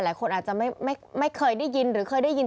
หลายคนอาจจะไม่เคยได้ยิน